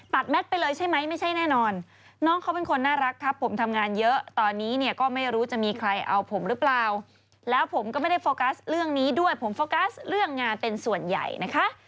แมทไปเลยใช่ไหมไม่ใช่แน่นอนน้องเขาเป็นคนน่ารักครับผมทำงานเยอะตอนนี้เนี่ยก็ไม่รู้จะมีใครเอาผมหรือเปล่าแล้วผมก็ไม่ได้โฟกัสเรื่องนี้ด้วยผมโฟกัสเรื่องงานเป็นส่วนใหญ่นะคะ